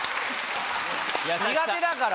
苦手だから！